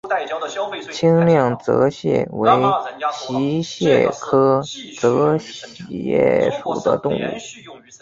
清亮泽蟹为溪蟹科泽蟹属的动物。